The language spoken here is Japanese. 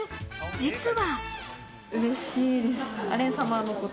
実は。